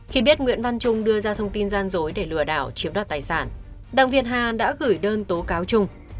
khi biết nguyễn văn trung đưa ra thông tin gian dối để lừa đảo chiếm đoạt tài sản đặng việt hà đã gửi đơn tố cáo chung